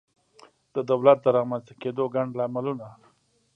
د دولت د رامنځته کېدو ګڼ لاملونه